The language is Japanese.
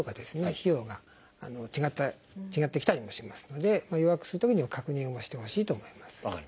費用が違ってきたりもしますので予約するときには確認をしてほしいと思います。